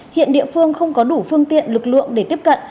hiện địa phương không có đủ phương tiện lực lượng để tiếp cận